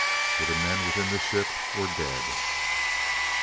For the men within the ship were dead.